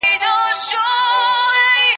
زه له سهاره د سبا لپاره د سوالونو جواب ورکوم..